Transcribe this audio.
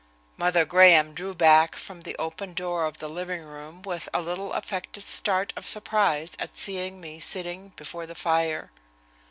Mother Graham drew back from the open door of the living room with a little affected start of surprise at seeing me sitting before the fire.